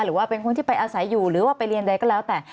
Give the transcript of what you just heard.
หรือว่าเป็นคนที่ไปอาศัยอยู่หรือว่าไปเรียนใดก็แล้วแต่